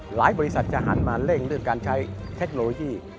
บริษัทจะหันมาเร่งเรื่องการใช้เทคโนโลยี